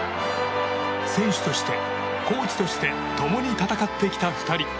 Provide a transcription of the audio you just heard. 選手としてコーチとして共に戦ってきた２人。